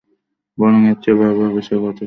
বরং এর চেয়ে ভয়াবহ বিষয় ঘটেছে।